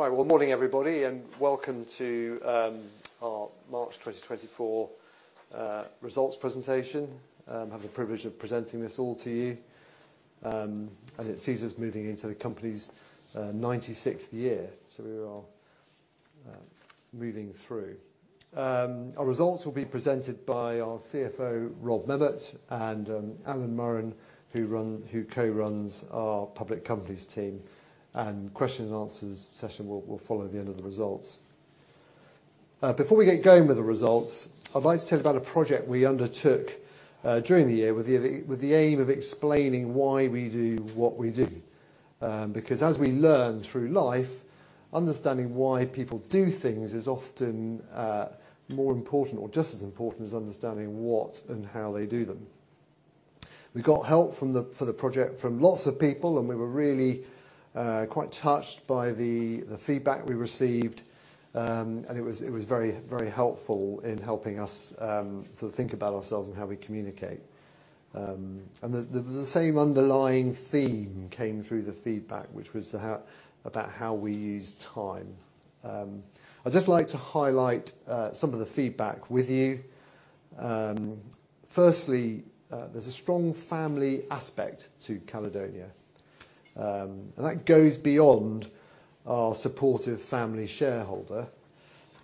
Right, well, morning, everybody, and welcome to our March 2024 results presentation. I have the privilege of presenting this all to you. And it sees us moving into the company's 96th year, so we are moving through. Our results will be presented by our CFO, Rob Memmott, and Alan Murran, who co-runs our Public Companies Team, and question and answers session will follow the end of the results. Before we get going with the results, I'd like to tell you about a project we undertook during the year with the aim of explaining why we do what we do, because as we learn through life, understanding why people do things is often more important or just as important as understanding what and how they do them. We got help for the project from lots of people, and we were really quite touched by the feedback we received. And it was very, very helpful in helping us sort of think about ourselves and how we communicate. And the same underlying theme came through the feedback, which was about how we use time. I'd just like to highlight some of the feedback with you. Firstly, there's a strong family aspect to Caledonia, and that goes beyond our supportive family shareholder.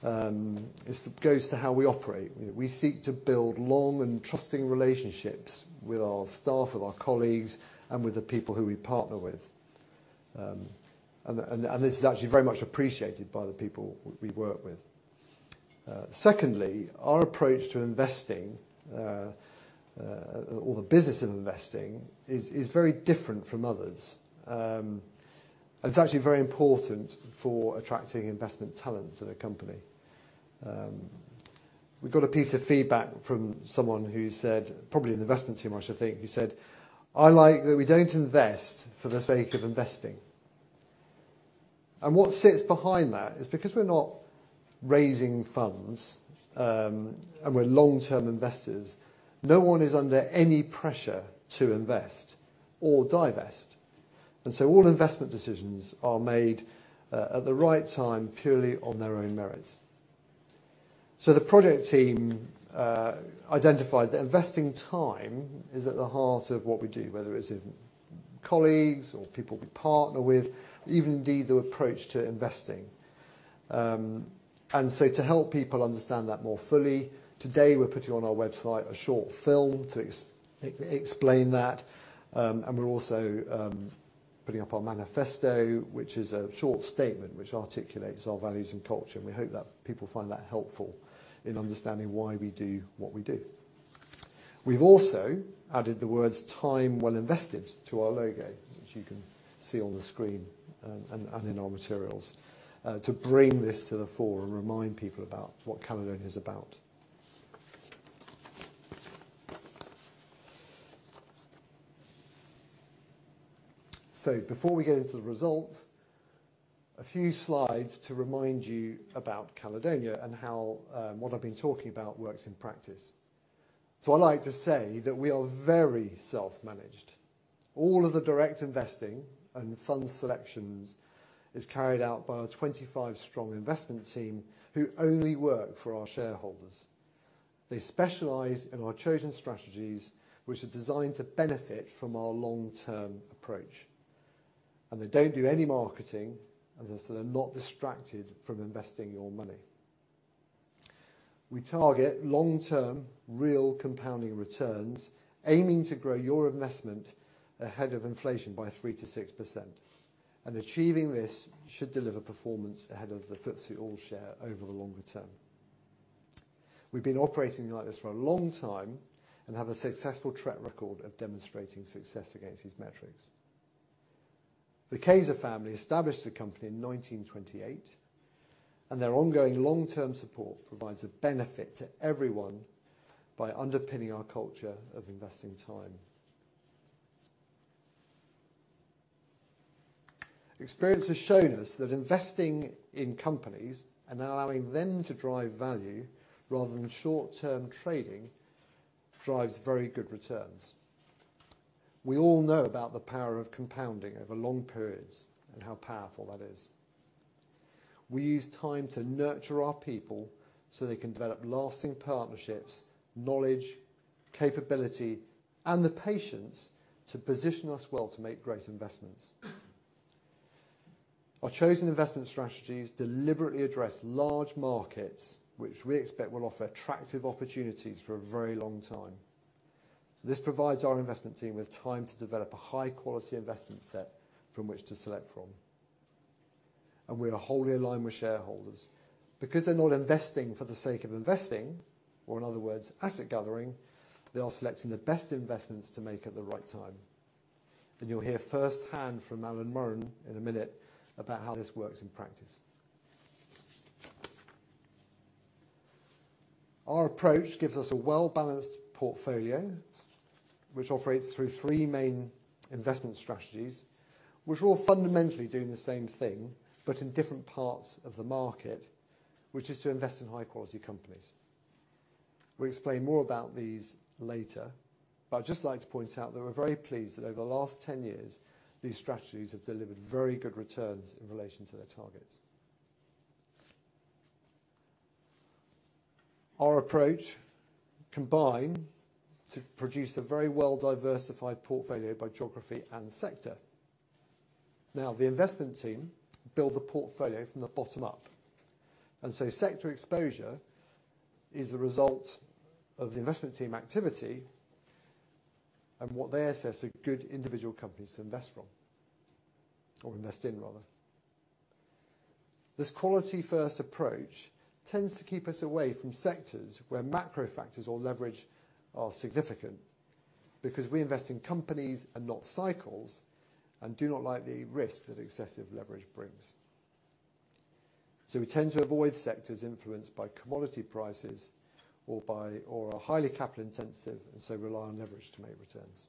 This goes to how we operate. We seek to build long and trusting relationships with our staff, with our colleagues, and with the people who we partner with. And this is actually very much appreciated by the people we work with. Secondly, our approach to investing, or the business of investing is very different from others. And it's actually very important for attracting investment talent to the company. We got a piece of feedback from someone who said, probably an investment team, I should think, who said: "I like that we don't invest for the sake of investing." And what sits behind that is because we're not raising funds, and we're long-term investors, no one is under any pressure to invest or divest. And so all investment decisions are made at the right time, purely on their own merits. So the project team identified that investing time is at the heart of what we do, whether it's in colleagues or people we partner with, even indeed, the approach to investing. And so to help people understand that more fully, today, we're putting on our website a short film to explain that, and we're also putting up our manifesto, which is a short statement which articulates our values and culture, and we hope that people find that helpful in understanding why we do what we do. We've also added the words "Time Well Invested" to our logo, which you can see on the screen, and in our materials, to bring this to the fore and remind people about what Caledonia is about. So before we get into the results, a few slides to remind you about Caledonia and how what I've been talking about works in practice. So I'd like to say that we are very self-managed. All of the direct investing and fund selections is carried out by our 25-strong investment team, who only work for our shareholders. They specialize in our chosen strategies, which are designed to benefit from our long-term approach, and they don't do any marketing, and so they're not distracted from investing your money. We target long-term, real compounding returns, aiming to grow your investment ahead of inflation by 3%-6%, and achieving this should deliver performance ahead of the FTSE All-Share over the longer term. We've been operating like this for a long time and have a successful track record of demonstrating success against these metrics. The Cayzer family established the company in 1928, and their ongoing long-term support provides a benefit to everyone by underpinning our culture of investing time. Experience has shown us that investing in companies and allowing them to drive value, rather than short-term trading, drives very good returns. We all know about the power of compounding over long periods and how powerful that is. We use time to nurture our people so they can develop lasting partnerships, knowledge, capability, and the patience to position us well to make great investments. Our chosen investment strategies deliberately address large markets, which we expect will offer attractive opportunities for a very long time. This provides our investment team with time to develop a high-quality investment set from which to select from, and we are wholly aligned with shareholders. Because they're not investing for the sake of investing, or in other words, asset gathering, they are selecting the best investments to make at the right time. You'll hear firsthand from Alan Murran in a minute about how this works in practice. Our approach gives us a well-balanced portfolio, which operates through three main investment strategies, which are all fundamentally doing the same thing, but in different parts of the market, which is to invest in high-quality companies.... We'll explain more about these later, but I'd just like to point out that we're very pleased that over the last 10 years, these strategies have delivered very good returns in relation to their targets. Our approach combines to produce a very well-diversified portfolio by geography and sector. Now, the investment team build the portfolio from the bottom up, and so sector exposure is a result of the investment team activity and what they assess are good individual companies to invest from, or invest in, rather. This quality-first approach tends to keep us away from sectors where macro factors or leverage are significant, because we invest in companies and not cycles, and do not like the risk that excessive leverage brings. So we tend to avoid sectors influenced by commodity prices or are highly capital-intensive, and so rely on leverage to make returns.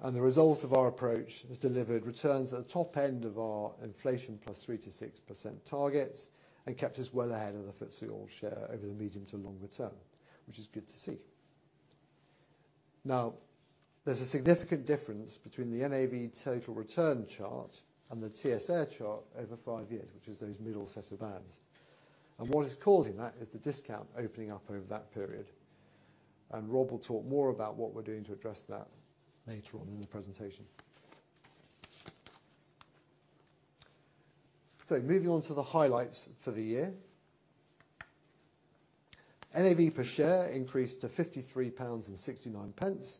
And the result of our approach has delivered returns at the top end of our inflation + 3%-6% targets, and kept us well ahead of the FTSE All-Share over the medium to longer term, which is good to see. Now, there's a significant difference between the NAV total return chart and the TSR chart over 5 years, which is those middle set of bands. And what is causing that is the discount opening up over that period. Rob will talk more about what we're doing to address that later on in the presentation. Moving on to the highlights for the year. NAV per share increased to 53.69 pounds,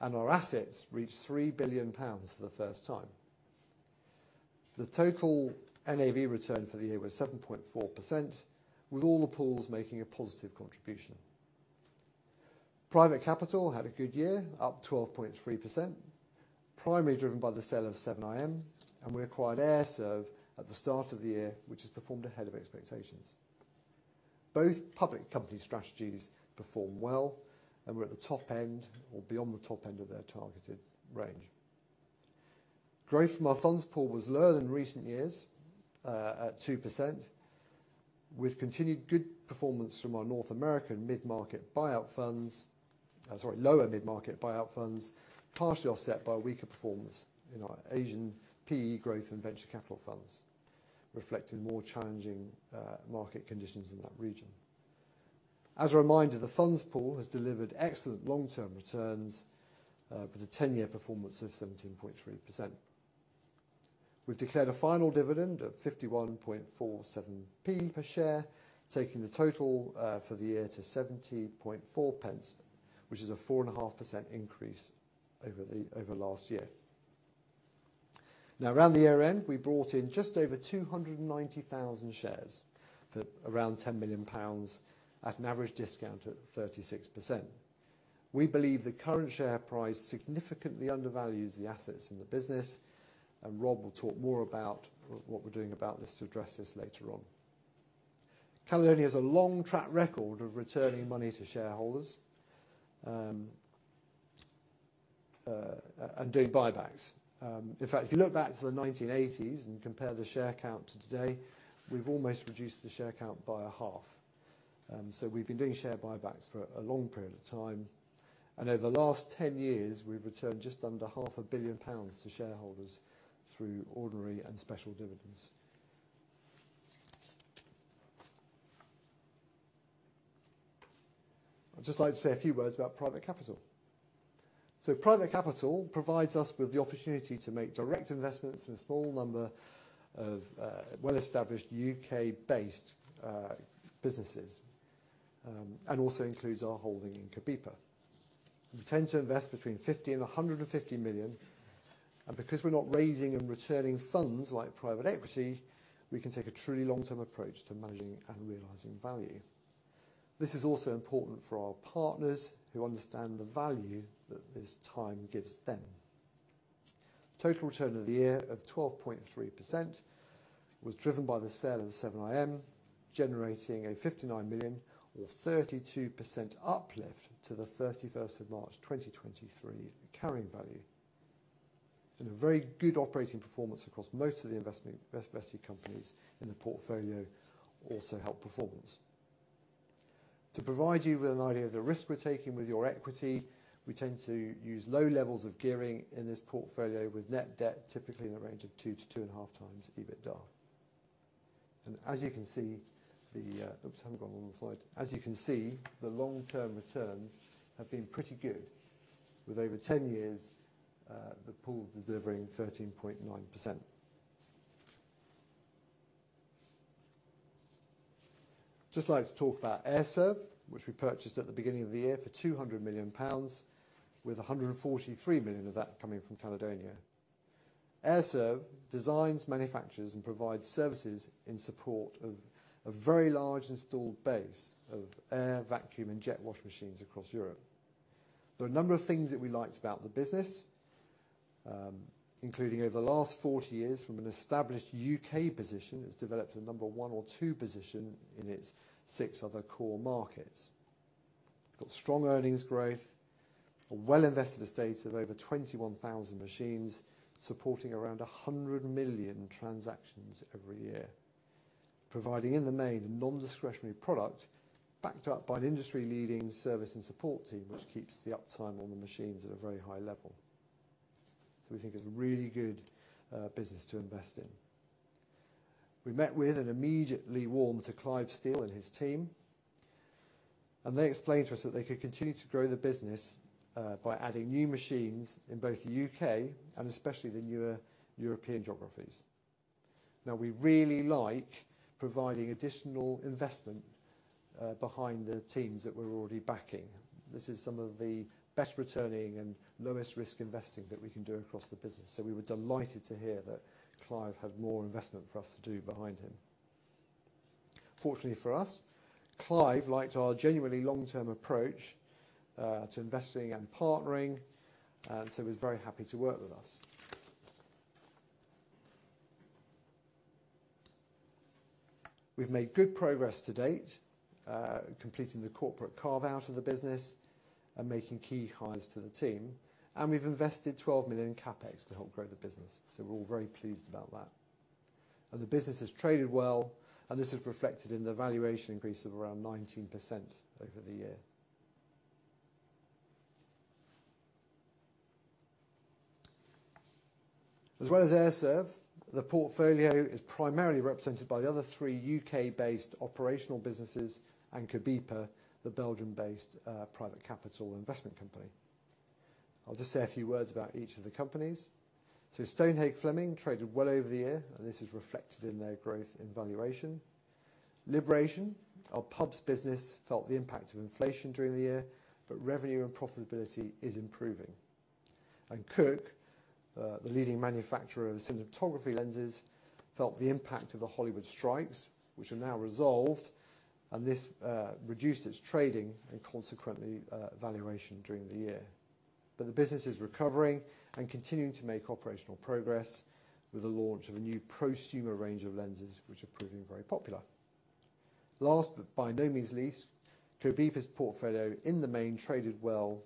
and our assets reached 3 billion pounds for the first time. The total NAV return for the year was 7.4%, with all the pools making a positive contribution. Private capital had a good year, up 12.3%, primarily driven by the sale of 7IM, and we acquired AIR-serv at the start of the year, which has performed ahead of expectations. Both public company strategies performed well, and were at the top end or beyond the top end of their targeted range. Growth from our funds pool was lower than recent years, at 2%, with continued good performance from our North American mid-market buyout funds. Sorry, lower mid-market buyout funds, partially offset by a weaker performance in our Asian PE growth and venture capital funds, reflecting more challenging market conditions in that region. As a reminder, the funds pool has delivered excellent long-term returns with a ten-year performance of 17.3%. We've declared a final dividend of 51.47p per share, taking the total for the year to 17.4 pence, which is a 4.5% increase over last year. Now, around the year end, we brought in just over 290,000 shares for around 10 million pounds, at an average discount of 36%. We believe the current share price significantly undervalues the assets in the business, and Rob will talk more about what we're doing about this to address this later on. Caledonia has a long track record of returning money to shareholders, and doing buybacks. In fact, if you look back to the 1980s and compare the share count to today, we've almost reduced the share count by a half. We've been doing share buybacks for a long period of time, and over the last 10 years, we've returned just under 500 million pounds to shareholders through ordinary and special dividends. I'd just like to say a few words about private capital. Private capital provides us with the opportunity to make direct investments in a small number of well-established U.K.-based businesses, and also includes our holding in Cobepa. We tend to invest between 50 million and 150 million, and because we're not raising and returning funds, like private equity, we can take a truly long-term approach to managing and realizing value. This is also important for our partners, who understand the value that this time gives them. Total return for the year of 12.3% was driven by the sale of 7IM, generating a 59 million or 32% uplift to the 31 March 2023 carrying value. A very good operating performance across most of the investment, investee companies in the portfolio also helped performance. To provide you with an idea of the risk we're taking with your equity, we tend to use low levels of gearing in this portfolio, with net debt typically in the range of 2-2.5 times EBITDA. As you can see, the long-term returns have been pretty good, with over 10 years, the pool delivering 13.9%. Just like to talk about AIR-serv, which we purchased at the beginning of the year for 200 million pounds, with 143 million of that coming from Caledonia. AIR-serv designs, manufactures, and provides services in support of a very large installed base of air, vacuum, and jet wash machines across Europe. There are a number of things that we liked about the business, including over the last 40 years, from an established U.K. position, it's developed a number one or two position in its six other core markets. It's got strong earnings growth, a well-invested estate of over 21,000 machines, supporting around 100 million transactions every year. Providing in the main, a non-discretionary product, backed up by an industry-leading service and support team, which keeps the uptime on the machines at a very high level. So we think it's a really good business to invest in. We met with and immediately warmed to Clive Steel and his team, and they explained to us that they could continue to grow the business by adding new machines in both the U.K. and especially the newer European geographies. Now, we really like providing additional investment behind the teams that we're already backing. This is some of the best returning and lowest risk investing that we can do across the business, so we were delighted to hear that Clive had more investment for us to do behind him. Fortunately for us, Clive liked our genuinely long-term approach to investing and partnering, and so he was very happy to work with us. We've made good progress to date, completing the corporate carve-out of the business and making key hires to the team, and we've invested 12 million CapEx to help grow the business, so we're all very pleased about that. The business has traded well, and this is reflected in the valuation increase of around 19% over the year. As well as AIR-serv, the portfolio is primarily represented by the other three U.K.-based operational businesses, and Cobepa, the Belgium-based private capital investment company. I'll just say a few words about each of the companies. Stonehage Fleming traded well over the year, and this is reflected in their growth and valuation. Liberation, our pubs business, felt the impact of inflation during the year, but revenue and profitability is improving. Cooke, the leading manufacturer of cinematography lenses, felt the impact of the Hollywood strikes, which are now resolved, and this reduced its trading and consequently, valuation during the year. The business is recovering and continuing to make operational progress with the launch of a new prosumer range of lenses, which are proving very popular. Last, but by no means least, Cobepa's portfolio, in the main, traded well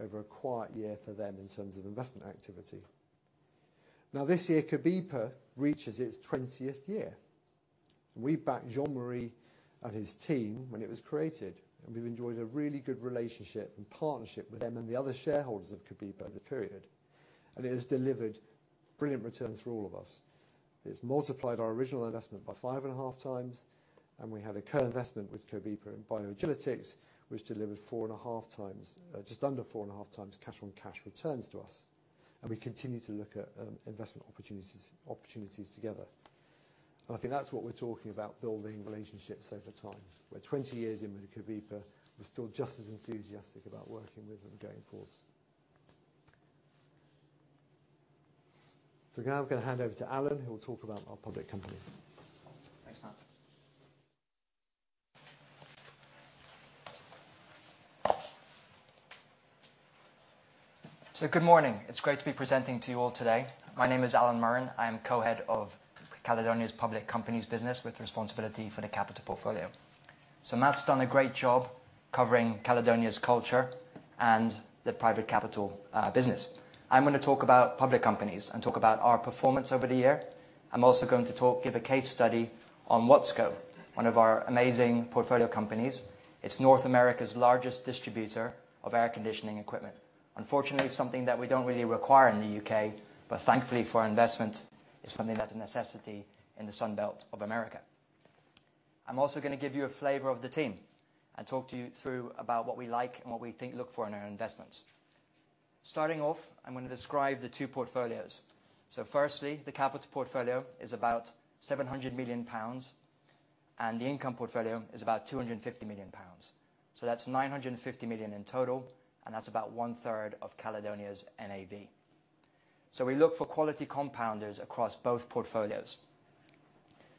over a quiet year for them in terms of investment activity. Now, this year, Cobepa reaches its twentieth year. We backed Jean-Marie and his team when it was created, and we've enjoyed a really good relationship and partnership with them and the other shareholders of Cobepa over the period, and it has delivered brilliant returns for all of us. It's multiplied our original investment by 5.5 times, and we had a co-investment with Cobepa in BioAgilytix, which delivered 4.5 times, just under 4.5 times cash on cash returns to us, and we continue to look at investment opportunities together. And I think that's what we're talking about, building relationships over time, where 20 years in with Cobepa, we're still just as enthusiastic about working with them going forward. So now I'm gonna hand over to Alan, who will talk about our public companies. Thanks, Mat. So good morning. It's great to be presenting to you all today. My name is Alan Murran. I am co-head of Caledonia's Public Companies business, with responsibility for the capital portfolio. So Mat's done a great job covering Caledonia's culture and the private capital business. I'm gonna talk about public companies and talk about our performance over the year. I'm also going to talk, give a case study on Watsco, one of our amazing portfolio companies. It's North America's largest distributor of air conditioning equipment. Unfortunately, something that we don't really require in the U.K., but thankfully for our investment, it's something that's a necessity in the Sun Belt of America. I'm also gonna give you a flavor of the team and talk to you through about what we like and what we think look for in our investments. Starting off, I'm gonna describe the two portfolios. So firstly, the capital portfolio is about 700 million pounds, and the income portfolio is about 250 million pounds. So that's 950 million in total, and that's about one-third of Caledonia's NAV. So we look for quality compounders across both portfolios.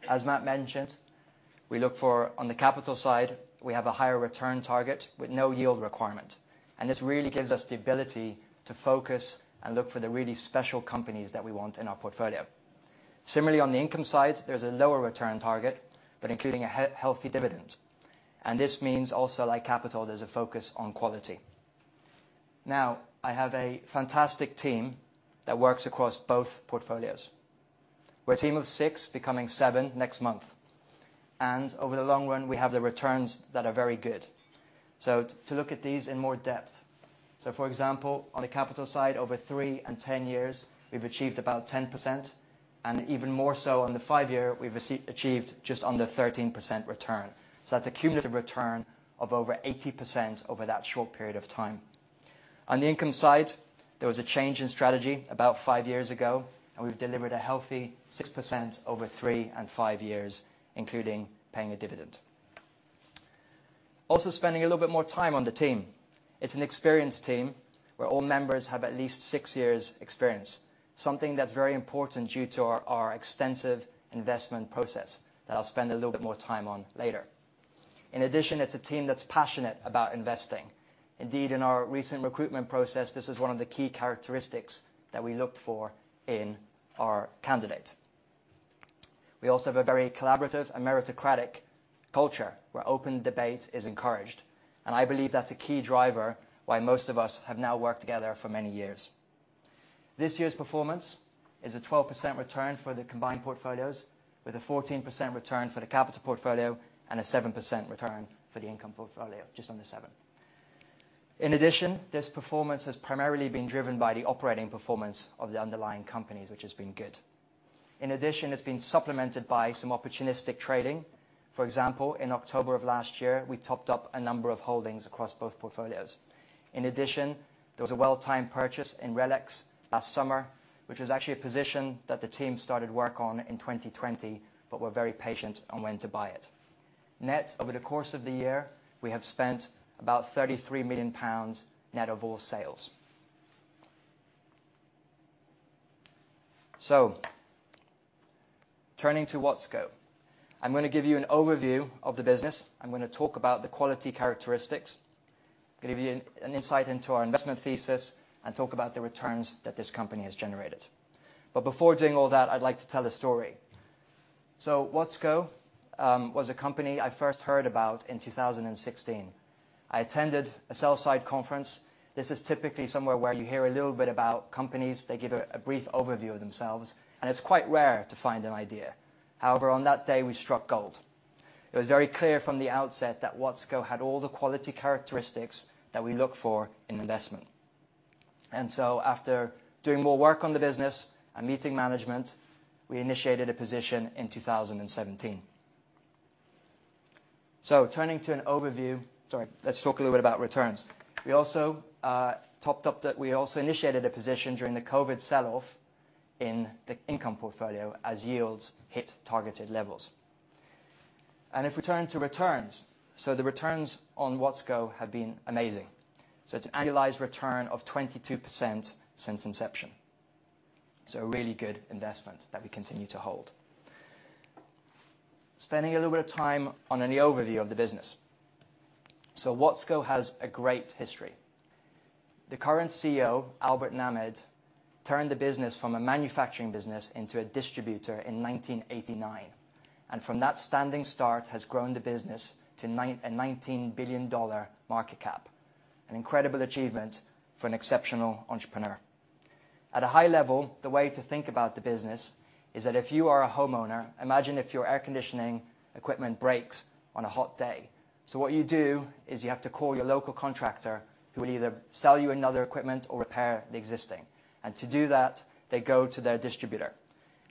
As Mat mentioned, we look for, on the capital side, we have a higher return target with no yield requirement, and this really gives us the ability to focus and look for the really special companies that we want in our portfolio. Similarly, on the income side, there's a lower return target, but including a healthy dividend, and this means also, like capital, there's a focus on quality. Now, I have a fantastic team that works across both portfolios. We're a team of six, becoming seven next month, and over the long run, we have the returns that are very good. So to look at these in more depth, so for example, on the capital side, over 3 and 10 years, we've achieved about 10%, and even more so on the 5-year, we've achieved just under 13% return. So that's a cumulative return of over 80% over that short period of time. On the income side, there was a change in strategy about 5 years ago, and we've delivered a healthy 6% over 3 and 5 years, including paying a dividend. Also, spending a little bit more time on the team. It's an experienced team, where all members have at least 6 years experience, something that's very important due to our extensive investment process that I'll spend a little bit more time on later. In addition, it's a team that's passionate about investing. Indeed, in our recent recruitment process, this is one of the key characteristics that we looked for in our candidate. We also have a very collaborative and meritocratic culture, where open debate is encouraged, and I believe that's a key driver why most of us have now worked together for many years. This year's performance is a 12% return for the combined portfolios, with a 14% return for the capital portfolio and a 7% return for the income portfolio, just under 7%. In addition, this performance has primarily been driven by the operating performance of the underlying companies, which has been good. In addition, it's been supplemented by some opportunistic trading. For example, in October of last year, we topped up a number of holdings across both portfolios. In addition, there was a well-timed purchase in RELX last summer, which was actually a position that the team started work on in 2020, but were very patient on when to buy it. Net, over the course of the year, we have spent about 33 million pounds, net of all sales. So turning to Watsco, I'm gonna give you an overview of the business. I'm gonna talk about the quality characteristics. Give you an insight into our investment thesis, and talk about the returns that this company has generated. But before doing all that, I'd like to tell a story. So Watsco was a company I first heard about in 2016. I attended a sell-side conference. This is typically somewhere where you hear a little bit about companies. They give a brief overview of themselves, and it's quite rare to find an idea. However, on that day, we struck gold. It was very clear from the outset that Watsco had all the quality characteristics that we look for in investment. And so after doing more work on the business and meeting management, we initiated a position in 2017. So turning to an overview. Sorry, let's talk a little bit about returns. We also topped up the. We also initiated a position during the COVID sell-off in the income portfolio as yields hit targeted levels. And if we turn to returns, so the returns on Watsco have been amazing. So it's an annualized return of 22% since inception, so a really good investment that we continue to hold. Spending a little bit of time on an overview of the business. So Watsco has a great history. The current CEO, Albert Nahmad, turned the business from a manufacturing business into a distributor in 1989, and from that standing start, has grown the business to a $19 billion market cap, an incredible achievement for an exceptional entrepreneur. At a high level, the way to think about the business is that if you are a homeowner, imagine if your air conditioning equipment breaks on a hot day. So what you do is you have to call your local contractor, who will either sell you another equipment or repair the existing, and to do that, they go to their distributor.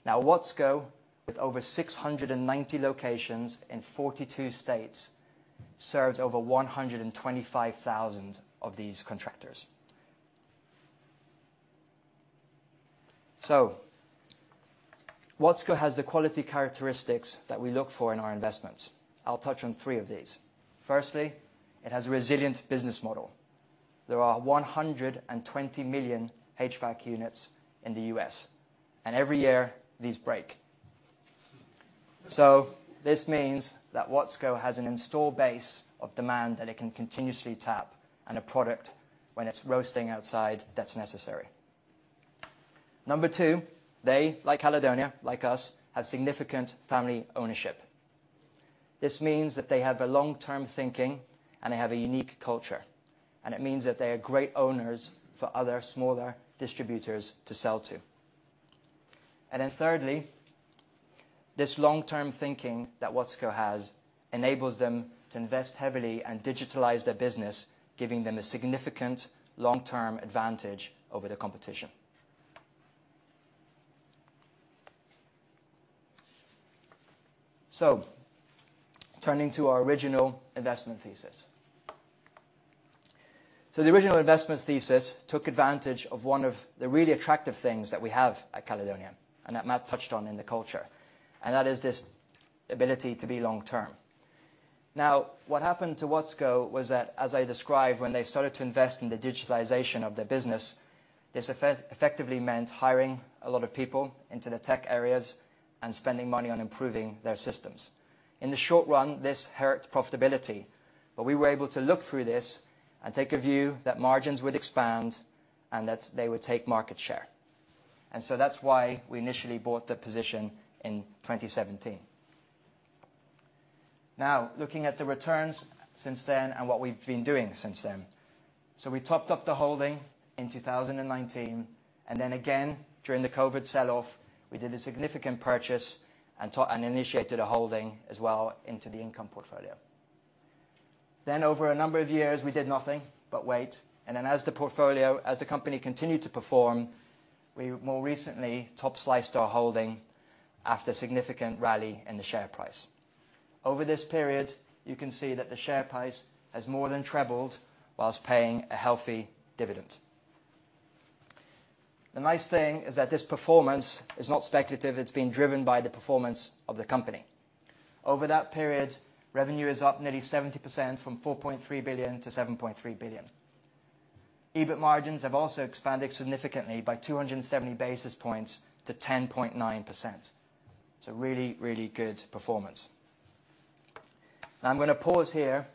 Now, Watsco, with over 690 locations in 42 states, serves over 125,000 of these contractors. So Watsco has the quality characteristics that we look for in our investments. I'll touch on three of these. Firstly, it has a resilient business model. There are 120 million HVAC units in the U.S., and every year, these break. So this means that Watsco has an installed base of demand that it can continuously tap, and a product, when it's roasting outside, that's necessary. Number two, they, like Caledonia, like us, have significant family ownership. This means that they have a long-term thinking, and they have a unique culture, and it means that they are great owners for other smaller distributors to sell to. And then thirdly, this long-term thinking that Watsco has enables them to invest heavily and digitalize their business, giving them a significant long-term advantage over the competition. So turning to our original investment thesis. So the original investment thesis took advantage of one of the really attractive things that we have at Caledonia, and that Mat touched on in the culture, and that is this ability to be long-term. Now, what happened to Watsco was that, as I described, when they started to invest in the digitalization of their business, this effectively meant hiring a lot of people into the tech areas and spending money on improving their systems. In the short run, this hurt profitability, but we were able to look through this and take a view that margins would expand and that they would take market share. And so that's why we initially bought the position in 2017. Now, looking at the returns since then and what we've been doing since then. So we topped up the holding in 2019, and then again, during the COVID sell-off, we did a significant purchase and initiated a holding as well into the income portfolio. Then over a number of years, we did nothing but wait, and then as the portfolio, as the company continued to perform, we more recently top-sliced our holding after a significant rally in the share price. Over this period, you can see that the share price has more than trebled while paying a healthy dividend. The nice thing is that this performance is not speculative. It's been driven by the performance of the company. Over that period, revenue is up nearly 70% from 4.3 billion-7.3 billion. EBIT margins have also expanded significantly by 270 basis points to 10.9%, so really, really good performance. Now I'm gonna pause here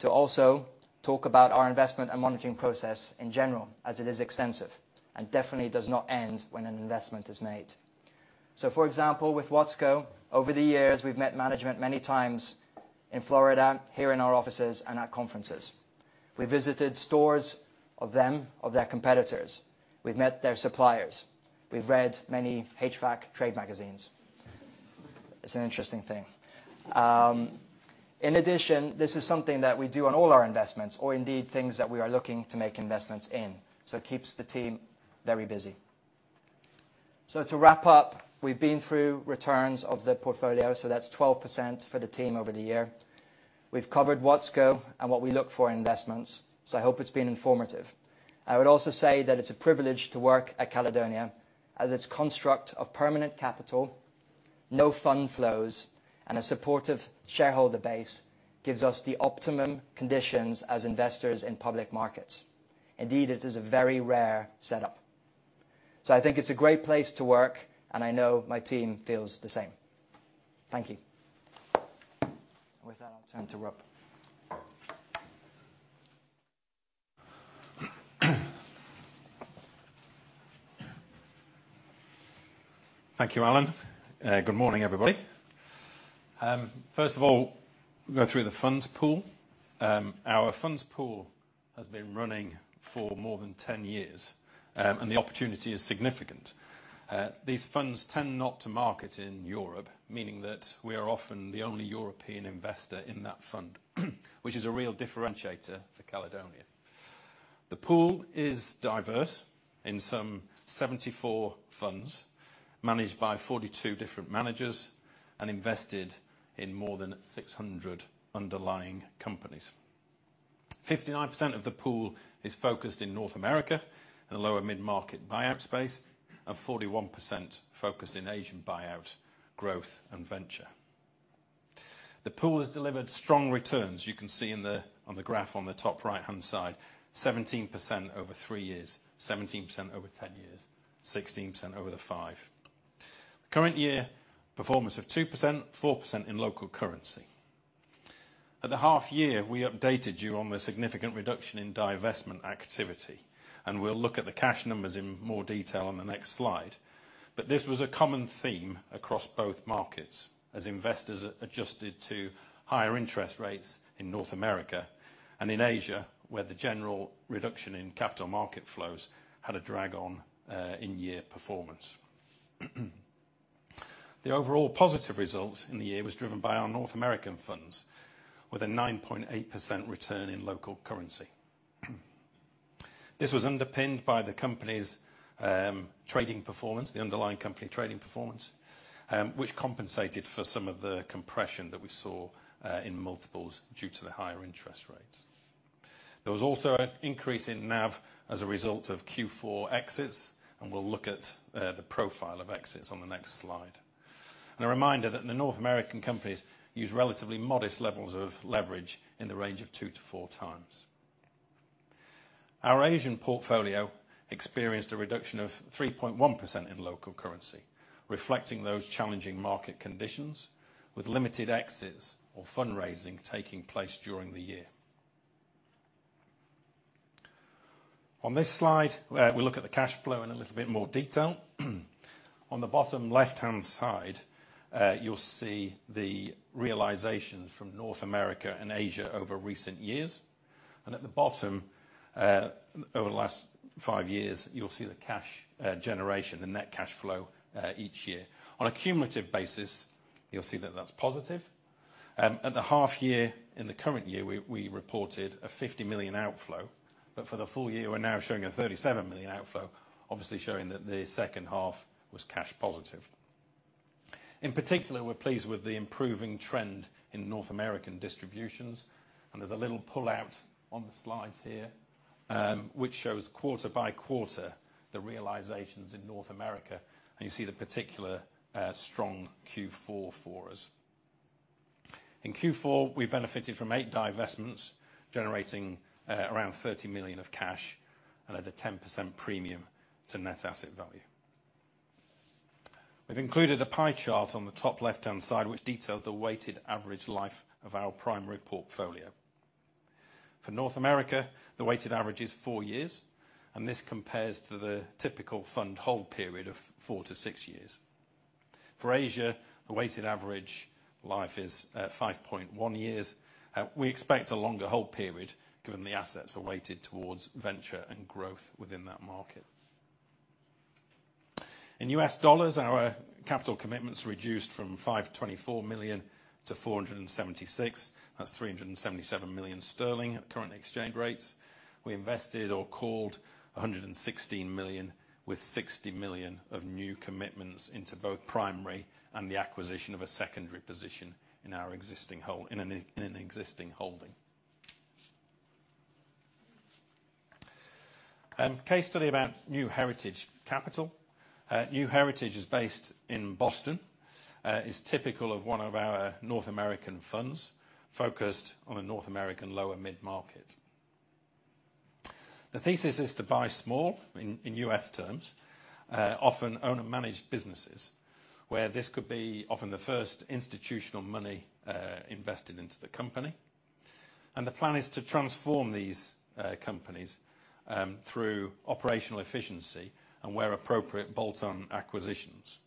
to also talk about our investment and monitoring process in general, as it is extensive, and definitely does not end when an investment is made. So for example, with Watsco, over the years, we've met management many times in Florida, here in our offices, and at conferences. We visited stores of them, of their competitors. We've met their suppliers. We've read many HVAC trade magazines. It's an interesting thing. In addition, this is something that we do on all our investments, or indeed, things that we are looking to make investments in, so it keeps the team very busy. So to wrap up, we've been through returns of the portfolio, so that's 12% for the team over the year. We've covered Watsco and what we look for in investments, so I hope it's been informative. I would also say that it's a privilege to work at Caledonia, as its construct of permanent capital, no fund flows, and a supportive shareholder base gives us the optimum conditions as investors in public markets. Indeed, it is a very rare setup. So I think it's a great place to work, and I know my team feels the same. Thank you. With that, I'll turn to Rob. Thank you, Alan. Good morning, everybody. First of all, go through the funds pool. Our funds pool has been running for more than 10 years, and the opportunity is significant. These funds tend not to market in Europe, meaning that we are often the only European investor in that fund, which is a real differentiator for Caledonia. The pool is diverse in some 74 funds, managed by 42 different managers, and invested in more than 600 underlying companies. 59% of the pool is focused in North America, in the lower mid-market buyout space, and 41% focused in Asian buyout, growth, and venture. The pool has delivered strong returns. You can see in the, on the graph on the top right-hand side, 17% over three years, 17% over 10 years, 16% over the five. Current year performance of 2%, 4% in local currency. At the half year, we updated you on the significant reduction in divestment activity, and we'll look at the cash numbers in more detail on the next slide. But this was a common theme across both markets as investors adjusted to higher interest rates in North America and in Asia, where the general reduction in capital market flows had a drag on in year performance. The overall positive result in the year was driven by our North American funds, with a 9.8% return in local currency. This was underpinned by the company's trading performance, the underlying company trading performance, which compensated for some of the compression that we saw in multiples due to the higher interest rates. There was also an increase in NAV as a result of Q4 exits, and we'll look at the profile of exits on the next slide. A reminder that the North American companies use relatively modest levels of leverage in the range of 2-4 times. Our Asian portfolio experienced a reduction of 3.1% in local currency, reflecting those challenging market conditions, with limited exits or fundraising taking place during the year. On this slide, we'll look at the cash flow in a little bit more detail. On the bottom left-hand side, you'll see the realizations from North America and Asia over recent years. At the bottom, over the last 5 years, you'll see the cash generation, the net cash flow each year. On a cumulative basis, you'll see that that's positive. At the half year, in the current year, we reported a 50 million outflow, but for the full year, we're now showing a 37 million outflow, obviously showing that the second half was cash positive. In particular, we're pleased with the improving trend in North American distributions, and there's a little pullout on the slide here, which shows quarter by quarter, the realizations in North America, and you see the particularly strong Q4 for us. In Q4, we benefited from 8 divestments, generating around 30 million of cash and at a 10% premium to net asset value. We've included a pie chart on the top left-hand side, which details the weighted average life of our primary portfolio. For North America, the weighted average is 4 years, and this compares to the typical fund hold period of 4-6 years. For Asia, the weighted average life is 5.1 years. We expect a longer hold period, given the assets are weighted towards venture and growth within that market. In U.S. dollars, our capital commitments reduced from $524 million to $476 million. That's 377 million sterling at current exchange rates. We invested or called $116 million, with $60 million of new commitments into both primary and the acquisition of a secondary position in our existing hold, in an existing holding. Case study about New Heritage Capital. New Heritage is based in Boston, is typical of one of our North American funds, focused on a North American lower mid-market. The thesis is to buy small, in U.S. terms, often owner-managed businesses, where this could be often the first institutional money invested into the company. The plan is to transform these companies through operational efficiency, and where appropriate, bolt-on acquisitions.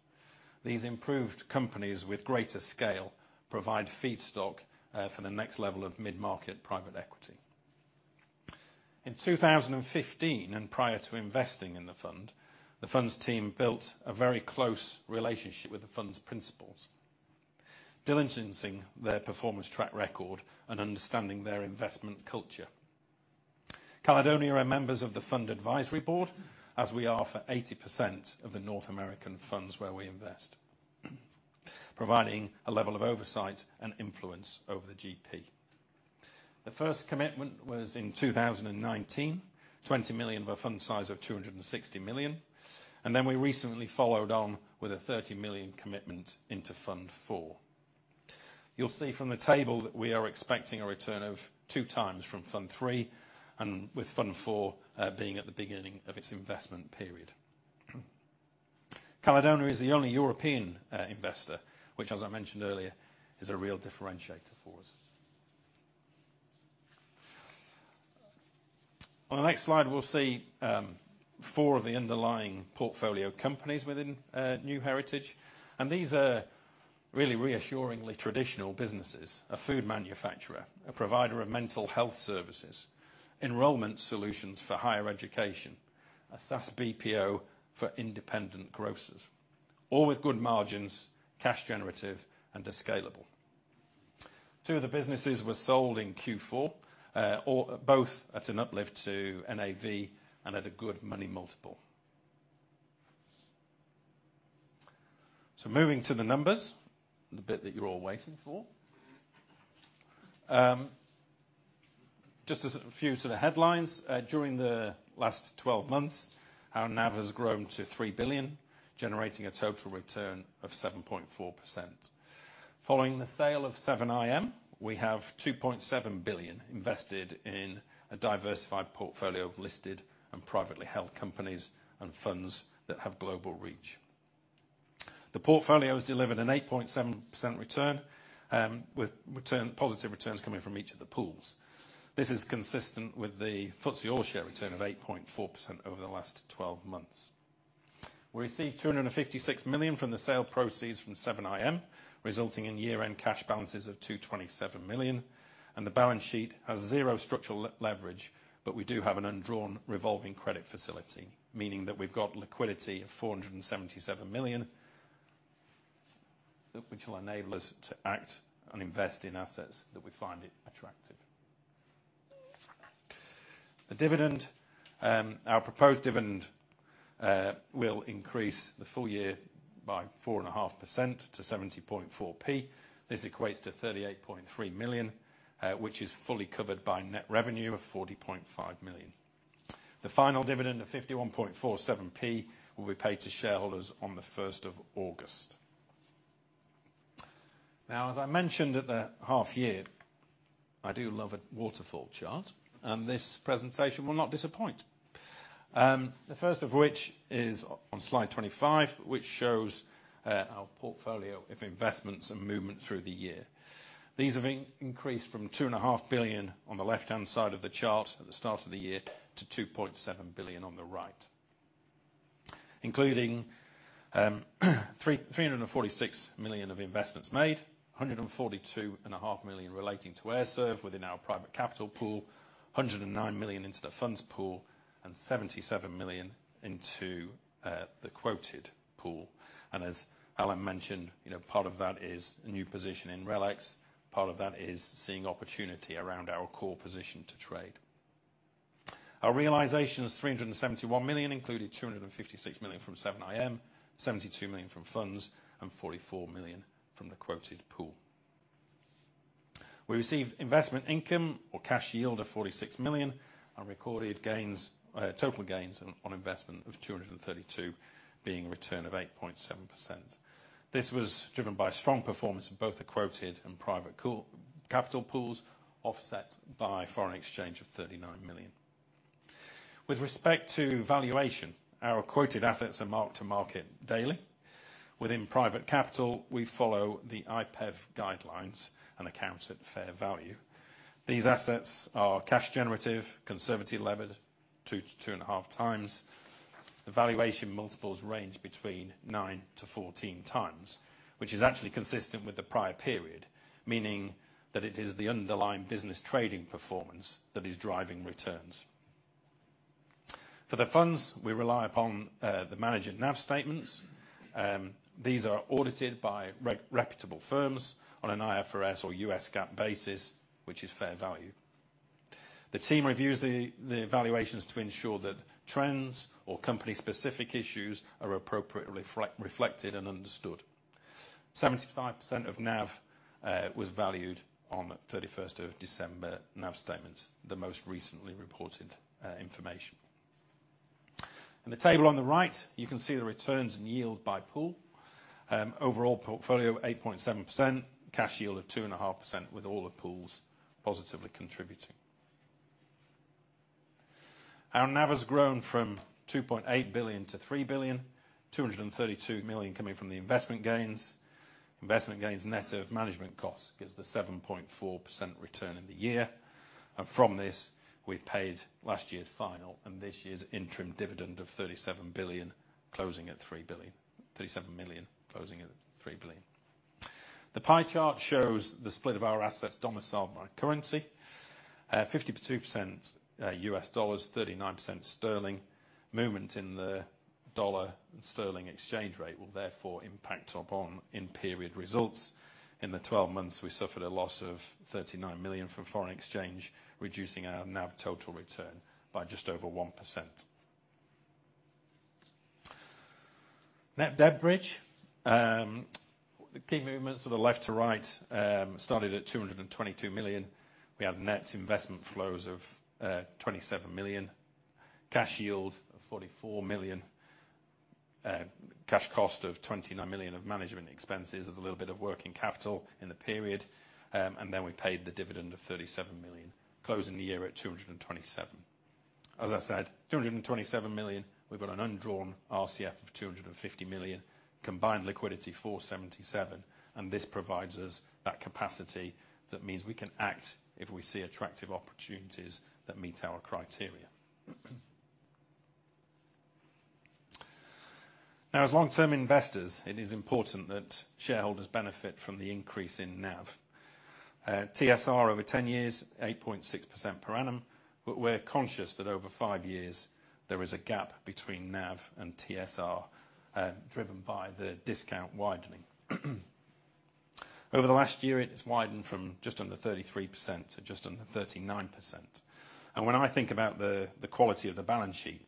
These improved companies with greater scale provide feedstock for the next level of mid-market private equity. In 2015, and prior to investing in the fund, the funds team built a very close relationship with the fund's principals, diligencing their performance track record and understanding their investment culture. Caledonia are members of the Fund Advisory Board, as we are for 80% of the North American funds where we invest, providing a level of oversight and influence over the GP. The first commitment was in 2019, 20 million of a fund size of 260 million, and then we recently followed on with a 30 million commitment into Fund Four. You'll see from the table that we are expecting a return of 2x from Fund Three, and with Fund Four being at the beginning of its investment period. Caledonia is the only European investor, which, as I mentioned earlier, is a real differentiator for us. On the next slide, we'll see four of the underlying portfolio companies within New Heritage, and these are really reassuringly traditional businesses, a food manufacturer, a provider of mental health services, enrollment solutions for higher education, a SaaS BPO for independent grocers, all with good margins, cash generative, and are scalable. Two of the businesses were sold in Q4, or both at an uplift to NAV and at a good money multiple. Moving to the numbers, the bit that you're all waiting for. Just as a few to the headlines, during the last 12 months, our NAV has grown to 3 billion, generating a total return of 7.4%. Following the sale of 7IM, we have 2.7 billion invested in a diversified portfolio of listed and privately held companies and funds that have global reach. The portfolio has delivered an 8.7% return, with positive returns coming from each of the pools. This is consistent with the FTSE All-Share return of 8.4% over the last 12 months. We received 256 million from the sale proceeds from 7IM, resulting in year-end cash balances of 227 million, and the balance sheet has zero structural leverage, but we do have an undrawn revolving credit facility, meaning that we've got liquidity of 477 million, that which will enable us to act and invest in assets that we find it attractive. The dividend, our proposed dividend, will increase the full year by 4.5% to 70.4p. This equates to 38.3 million, which is fully covered by net revenue of 40.5 million. The final dividend of 51.47p will be paid to shareholders on the 1st of August. Now, as I mentioned at the half year, I do love a waterfall chart, and this presentation will not disappoint. The first of which is on slide 25, which shows our portfolio of investments and movement through the year. These have increased from 2.5 billion on the left-hand side of the chart at the start of the year to 2.7 billion on the right, including 346 million of investments made, 142.5 million relating to AIR-serv within our private capital pool, 109 million into the funds pool, and 77 million into the quoted pool. And as Alan mentioned, you know, part of that is a new position in RELX. Part of that is seeing opportunity around our core position to trade. Our realization is 371 million, included 256 million from 7IM, 72 million from funds, and 44 million from the quoted pool. We received investment income or cash yield of 46 million, and recorded gains, total gains on investment of 232 million, being a return of 8.7%. This was driven by strong performance in both the quoted and private capital pools, offset by foreign exchange of 39 million. With respect to valuation, our quoted assets are marked to market daily. Within private capital, we follow the IPEV guidelines and account at fair value. These assets are cash generative, conservatively levered 2-2.5 times. The valuation multiples range between 9-14 times, which is actually consistent with the prior period, meaning that it is the underlying business trading performance that is driving returns. For the funds, we rely upon the management NAV statements. These are audited by reputable firms on an IFRS or U.S. GAAP basis, which is fair value. The team reviews the valuations to ensure that trends or company-specific issues are appropriately reflected and understood. 75% of NAV was valued on the 31st of December NAV statements, the most recently reported information. In the table on the right, you can see the returns and yield by pool. Overall portfolio, 8.7%, cash yield of 2.5%, with all the pools positively contributing. Our NAV has grown from 2.8 billion-3.232 billion coming from the investment gains. Investment gains, net of management costs, gives the 7.4% return in the year, and from this, we've paid last year's final and this year's interim dividend of 37 billion, closing at 3 billion—37 million, closing at 3 billion. The pie chart shows the split of our assets domiciled by currency. 52% U.S. dollars, 39% sterling. Movement in the dollar and sterling exchange rate will therefore impact upon in-period results. In the 12 months, we suffered a loss of 39 million from foreign exchange, reducing our NAV total return by just over 1%. Net debt bridge, the key movements from the left to right, started at 222 million. We have net investment flows of 27 million, cash yield of 44 million, cash cost of 29 million of management expenses. There's a little bit of working capital in the period, and then we paid the dividend of 37 million, closing the year at 227 million. As I said, 227 million, we've got an undrawn RCF of 250 million, combined liquidity 477 million, and this provides us that capacity. That means we can act if we see attractive opportunities that meet our criteria. Now, as long-term investors, it is important that shareholders benefit from the increase in NAV. TSR over 10 years, 8.6% per annum, but we're conscious that over 5 years there is a gap between NAV and TSR, driven by the discount widening. Over the last year, it's widened from just under 33% to just under 39%. And when I think about the quality of the balance sheet,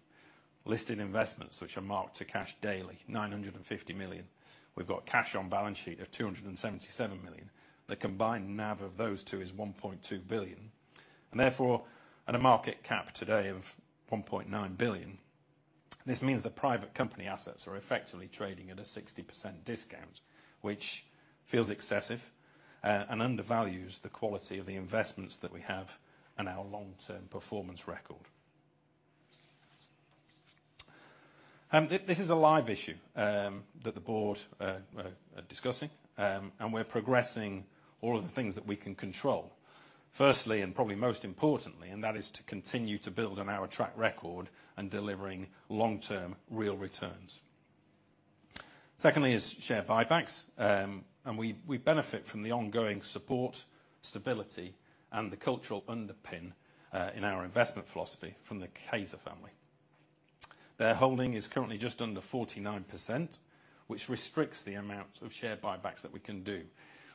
listed investments, which are marked to cash daily, 950 million. We've got cash on balance sheet of 277 million. The combined NAV of those two is 1.2 billion, and therefore, at a market cap today of 1.9 billion, this means that private company assets are effectively trading at a 60% discount, which feels excessive and undervalues the quality of the investments that we have and our long-term performance record. This is a live issue that the board are discussing, and we're progressing all of the things that we can control. Firstly, and probably most importantly, and that is to continue to build on our track record in delivering long-term real returns. Secondly is share buybacks, and we benefit from the ongoing support, stability, and the cultural underpin in our investment philosophy from the Cayzer family. Their holding is currently just under 49%, which restricts the amount of share buybacks that we can do.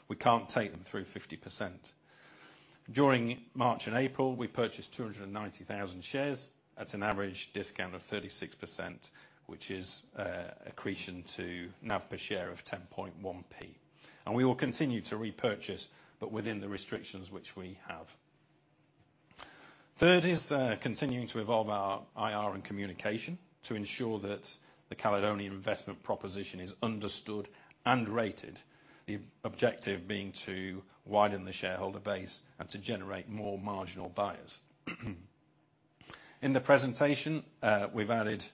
We can't take them through 50%. During March and April, we purchased 290,000 shares at an average discount of 36%, which is accretion to NAV per share of 10.1p. And we will continue to repurchase, but within the restrictions which we have. Third is continuing to evolve our IR and communication to ensure that the Caledonia investment proposition is understood and rated, the objective being to widen the shareholder base and to generate more marginal buyers. In the presentation, we've added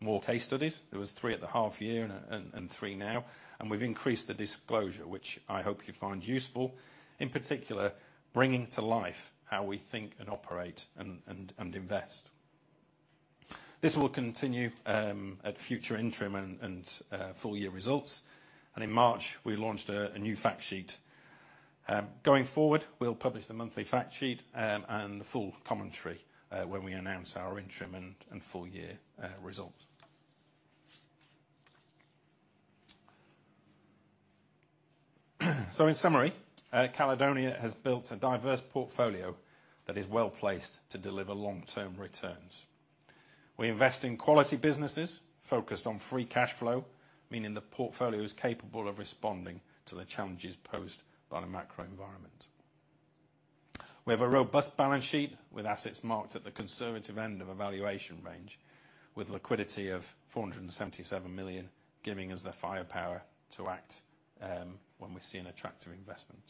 more case studies. There was three at the half year and three now, and we've increased the disclosure, which I hope you find useful, in particular, bringing to life how we think and operate, and invest. This will continue at future interim and full year results, and in March, we launched a new fact sheet. Going forward, we'll publish the monthly fact sheet and the full commentary when we announce our interim and full year results. So in summary, Caledonia has built a diverse portfolio that is well placed to deliver long-term returns. We invest in quality businesses focused on free cash flow, meaning the portfolio is capable of responding to the challenges posed by the macro environment. We have a robust balance sheet with assets marked at the conservative end of a valuation range, with liquidity of 477 million, giving us the firepower to act, when we see an attractive investment.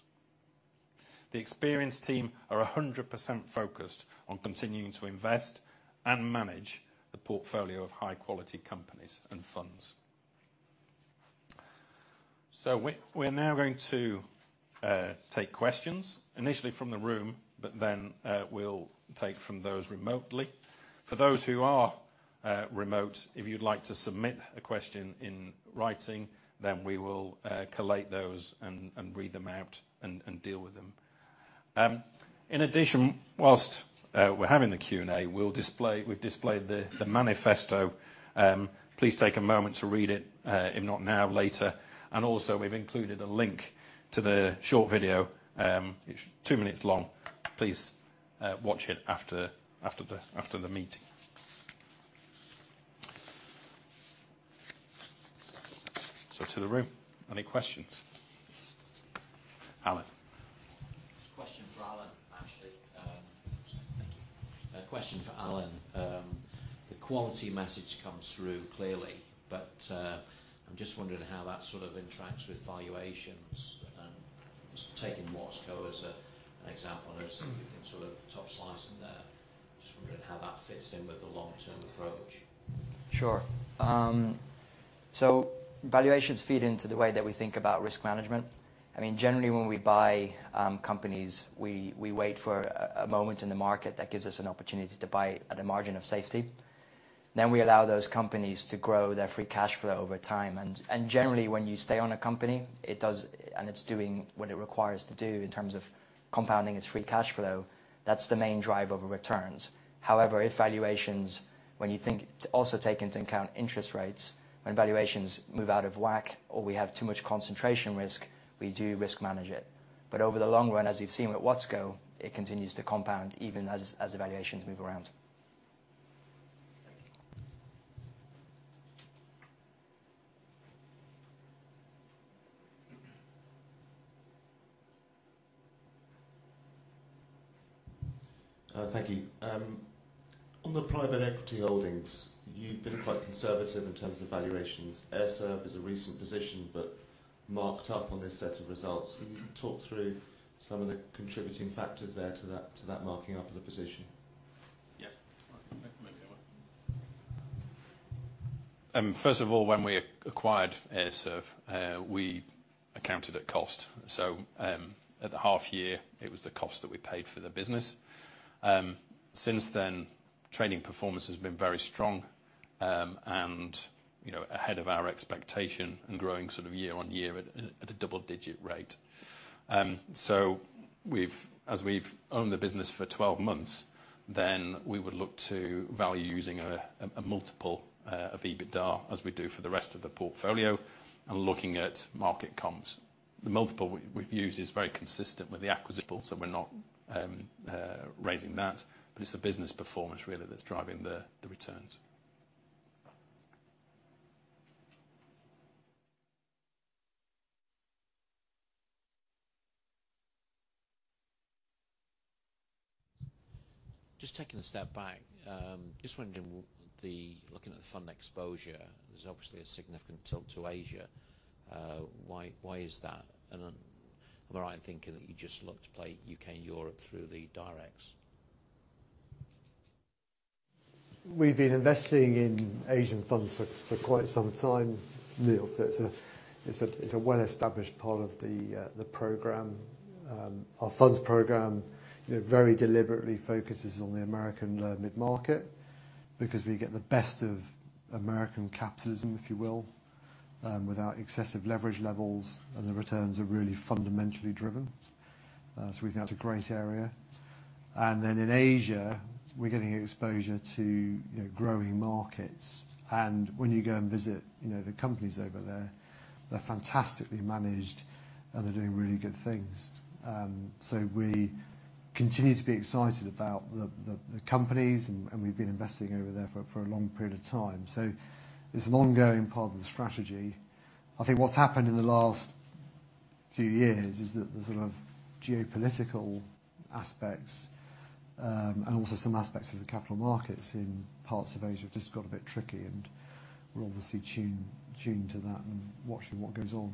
The experienced team are 100% focused on continuing to invest and manage the portfolio of high quality companies and funds. So we're now going to take questions, initially from the room, but then, we'll take from those remotely. For those who are remote, if you'd like to submit a question in writing, then we will collate those and read them out and deal with them. In addition, while we're having the Q&A, we'll display. We've displayed the manifesto. Please take a moment to read it, if not now, later. And also, we've included a link to the short video. It's two minutes long. Please watch it after the meeting. ...Over to the room. Any questions? Alan. Question for Alan, actually. Thank you. A question for Alan. The quality message comes through clearly, but, I'm just wondering how that sort of interacts with valuations and taking Watsco as a, an example, and if you can sort of top slice in there. Just wondering how that fits in with the long-term approach? Sure. So valuations feed into the way that we think about risk management. I mean, generally, when we buy companies, we wait for a moment in the market that gives us an opportunity to buy at a margin of safety. Then we allow those companies to grow their free cash flow over time. And generally, when you stay on a company, it does, and it's doing what it requires to do in terms of compounding its free cash flow, that's the main driver of returns. However, if valuations also take into account interest rates, when valuations move out of whack or we have too much concentration risk, we do risk manage it. But over the long run, as we've seen with Watsco, it continues to compound even as the valuations move around. Thank you. Thank you. On the private equity holdings, you've been quite conservative in terms of valuations. AIR-serv is a recent position, but marked up on this set of results. Can you talk through some of the contributing factors there to that, to that marking up of the position? Yeah. Maybe Alan. First of all, when we acquired AIR-serv, we accounted it cost. So, at the half year, it was the cost that we paid for the business. Since then, trading performance has been very strong, and, you know, ahead of our expectation and growing sort of year on year at a double-digit rate. So, as we've owned the business for 12 months, then we would look to value using a multiple of EBITDA, as we do for the rest of the portfolio, and looking at market comps. The multiple we've used is very consistent with the acquisition, so we're not raising that, but it's the business performance really that's driving the returns. Just taking a step back, just wondering, looking at the fund exposure, there's obviously a significant tilt to Asia. Why is that? And, am I right in thinking that you just look to play U.K. and Europe through the directs? We've been investing in Asian funds for quite some time, Neil, so it's a well-established part of the program. Our funds program, you know, very deliberately focuses on the American mid-market because we get the best of American capitalism, if you will, without excessive leverage levels, and the returns are really fundamentally driven. So we think that's a great area. And then in Asia, we're getting exposure to, you know, growing markets. And when you go and visit, you know, the companies over there, they're fantastically managed, and they're doing really good things. So we continue to be excited about the companies, and we've been investing over there for a long period of time. So it's an ongoing part of the strategy. I think what's happened in the last few years is that the sort of geopolitical aspects, and also some aspects of the capital markets in parts of Asia have just got a bit tricky, and we're obviously tuned to that and watching what goes on.